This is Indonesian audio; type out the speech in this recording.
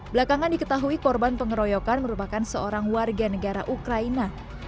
belakangan diketahui korban pengeroyokan merupakan seorang warga negara ukraina